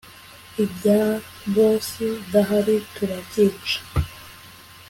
iBya boss udahari turabyica